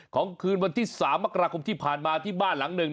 คืนวันที่๓มกราคมที่ผ่านมาที่บ้านหลังหนึ่ง